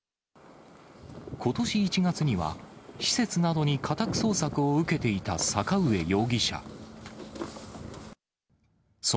ことし１月には、施設などに家宅捜索を受けていた坂上容疑者。